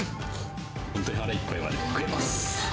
本当に腹いっぱいまで食えます。